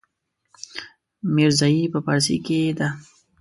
ميرزايي په پارسي کې ده.